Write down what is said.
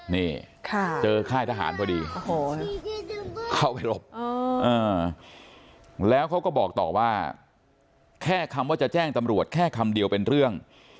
นี่เจอค่ายทหารพอดีเข้าไปรบแล้วเขาก็บอกต่อว่าแค่คำว่าจะแจ้งตำรวจแค่คำเดียวเป็นเรื่อง